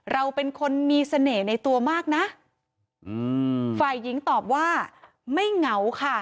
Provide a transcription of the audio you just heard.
เราเป็นคนมีเสน่ห์ในตัวมากนะอืมฝ่ายหญิงตอบว่าไม่เหงาค่ะ